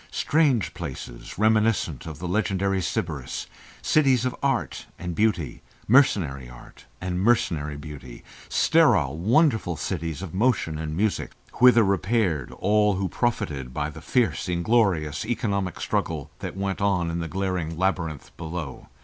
Strange places reminiscent of the legendary Sybaris, cities of art and beauty, mercenary art and mercenary beauty, sterile wonderful cities of motion and music, whither repaired all who profited by the fierce, inglorious, economic struggle that went on in the glaring labyrinth below.